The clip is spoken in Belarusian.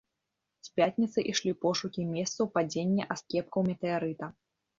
З пятніцы ішлі пошукі месцаў падзення аскепкаў метэарыта.